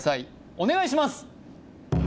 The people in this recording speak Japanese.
お願いします